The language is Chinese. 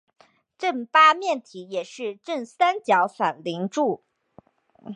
正八面体也是正三角反棱柱。